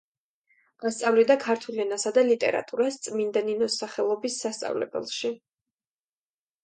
ასწავლიდა ქართულ ენასა და ლიტერატურას წმინდა ნინოს სახელობის სასწავლებელში.